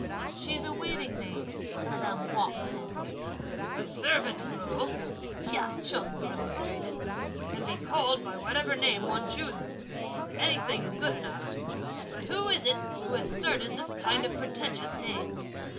"She's a waiting maid!" madame Wang answered. "A servant girl," Chia Cheng remonstrated, "can be called by whatever name one chooses; anything is good enough; but who's it who has started this kind of pretentious name!"